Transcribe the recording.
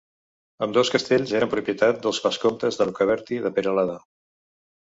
Ambdós castells eren propietat dels vescomtes de Rocabertí de Peralada.